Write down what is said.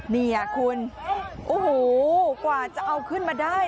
นี่คุณโอ้โหกว่าจะเอาขึ้นมาได้